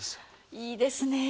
いいですねえ